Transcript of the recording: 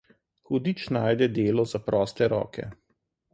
Hudič najde delo za proste roke.